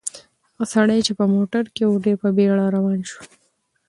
هغه سړی چې په موټر کې و ډېر په بیړه روان شو.